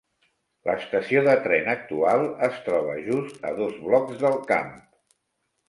L"estació de tren actual es troba just a dos blocs del camp.